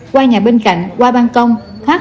qua nhà bên cạnh qua bàn công